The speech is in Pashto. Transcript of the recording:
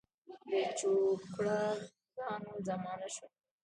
د چوکره ګانو زمانه شوه.